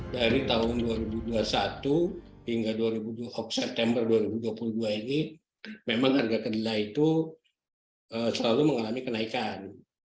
dari tahun dua ribu dua puluh satu hingga september dua ribu dua puluh dua ini memang harga kedelai itu selalu mengalami kenaikan